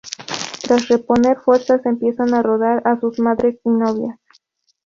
Tras reponer fuerzas, empiezan a rondar a sus madres y novias.